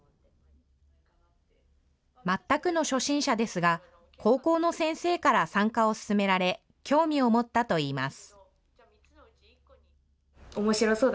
全くの初心者ですが、高校の先生から参加を勧められ、興味を持ったといいます。